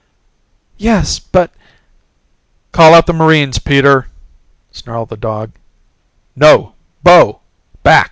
"Yes, but " "Call out the marines, Peter," snarled the dog. "No! Bo!